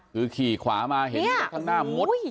คือขี่ขวามาเห็นรถข้างหน้ามุด